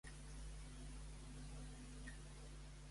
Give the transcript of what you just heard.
Què passa amb el suquet de rap que hem encomanat per endur a casa?